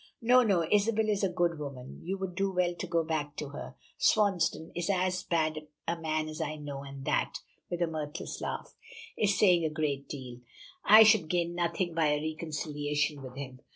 "Oh, no. Isabel is a good woman. You would do well to go back to her. Swansdown is as bad a man as I know, and that," with a mirthless laugh, "is saying a great deal. I should gain nothing by a reconciliation with him.